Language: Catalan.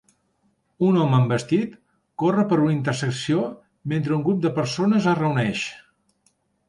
Un home amb vestit corre per una intersecció mentre un grup de persones es reuneix.